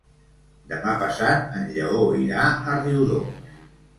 Demà passat en Lleó irà a Riudoms.